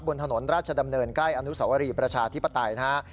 บนถนนราชดำเนินใกล้อนุสวรีประชาธิปไตยนะครับ